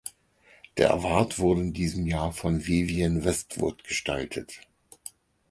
Der Award wurde in diesem Jahr von Vivienne Westwood gestaltet.